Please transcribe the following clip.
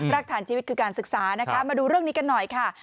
รากฐานชีวิตคือการศึกษานะคะมาดูเรื่องนี้กันหน่อยค่ะ